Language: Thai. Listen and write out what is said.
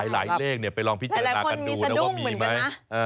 หลายเลขไปลองพิจารณากันดูแล้วว่ามีมั้ย